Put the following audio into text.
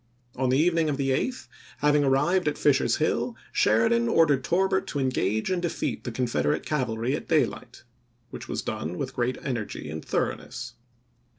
On the evening of the 8th, having arrived at Fisher's Hill, Sheridan ordered Torbert to engage and defeat the Confed erate cavalry at daylight, which was done with great energy and thoroughness.